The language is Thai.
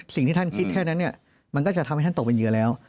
สิ่งที่ท่านคิดแค่นั้นมันก็จะทำให้ท่านตกเป็นเหยื่อแล้ว